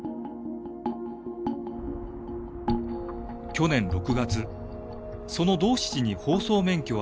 去年６月その「ドーシチ」に放送免許を与え